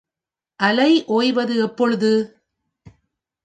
அலை ஒய்வது எப்பொழுது?